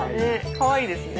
かわいいですね。